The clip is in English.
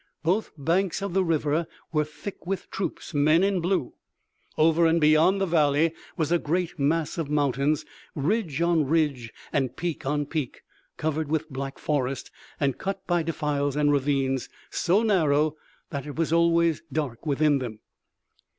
Both banks of the river were thick with troops, men in blue. Over and beyond the valley was a great mass of mountains, ridge on ridge and peak on peak, covered with black forest, and cut by defiles and ravines so narrow that it was always dark within them.